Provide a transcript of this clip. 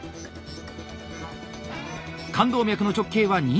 冠動脈の直径は２ｍｍ。